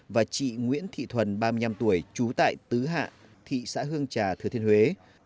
và chị nguyễn thị thuần ba mươi năm tuổi trú tại tứ hạ thị xã hương trà thừa thiên huế